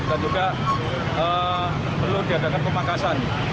dan juga perlu diadakan pemakasan